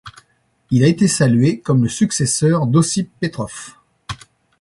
Il a été salué comme le successeur d'Ossip Petrov.